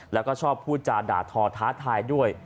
แล้วก็ชอบพูดจาด่าทอท้าทายด้วย